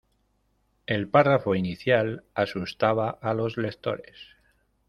El párrafo inicial asustaba a los lectores.